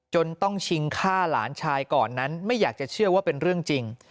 จนต้องชิงฆ่าหลานชายก่อนนั้นไม่อยากจะเชื่อว่าเป็นเรื่องจริง